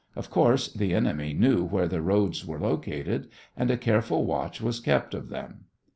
Of course, the enemy knew where the roads were located and a careful watch was kept of them.